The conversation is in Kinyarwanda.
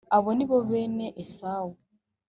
Abo ni bo bene esawu